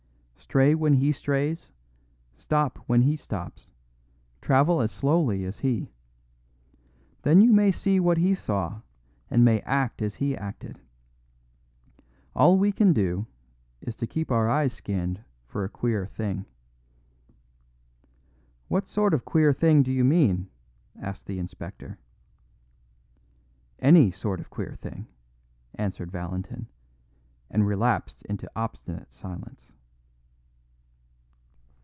Stray when he strays; stop when he stops; travel as slowly as he. Then you may see what he saw and may act as he acted. All we can do is to keep our eyes skinned for a queer thing." "What sort of queer thing do you mean?" asked the inspector. "Any sort of queer thing," answered Valentin, and relapsed into obstinate silence.